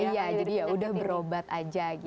iya jadi ya udah berobat aja gitu